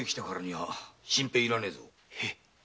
はい。